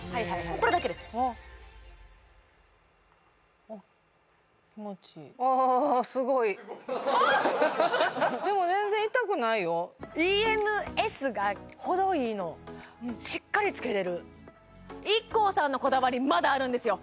これだけですあっあっ気持ちいいあーＥＭＳがほどいいのしっかりつけれるＩＫＫＯさんのこだわりまだあるんですよ